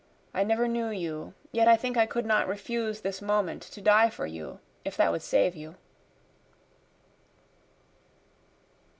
I never knew you, Yet I think I could not refuse this moment to die for you, if that would save you.